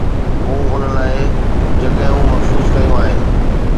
مون ان لاءِ جڳھون مخصوص ڪيون آھن.